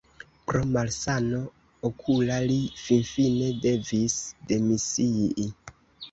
Pro malsano okula li finfine devis demisii.